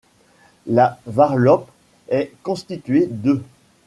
La varlope est constituée de.